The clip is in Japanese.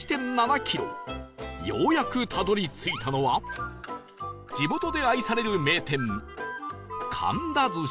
ようやくたどり着いたのは地元で愛される名店